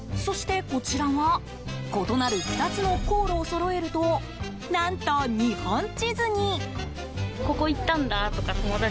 そして、こちらは異なる２つの航路をそろえると何と、日本地図に。